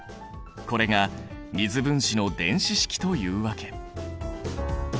これが水分子の電子式というわけ。